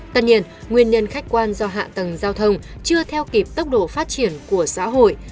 tất nhiên nguyên nhân khách quan do hạ tầng giao thông chưa theo kịp tốc độ phát triển của xã hội